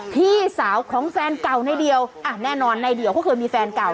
พี่สาวของแฟนเก่าในเดียวอ่ะแน่นอนในเดียวก็เคยมีแฟนเก่า